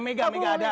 mega mega ada